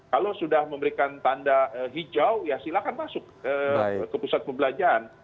kalau sudah memberikan tanda hijau ya silahkan masuk ke pusat perbelanjaan